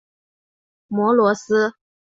摩罗斯。